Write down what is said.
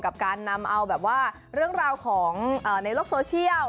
กับการนำเอาแบบว่าเรื่องราวของในโลกโซเชียล